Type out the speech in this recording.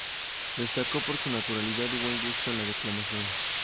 Destacó por su naturalidad y buen gusto en la declamación.